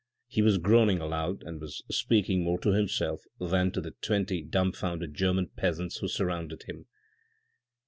He was groaning aloud, and was speaking more to himself than to the twenty dumbfounded German peasants who surrounded him.